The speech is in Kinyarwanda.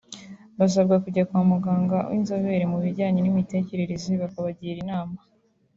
basabwa kujya kwa muganga w’inzobere mu bijyanye n’imitekerereze bakabagira inama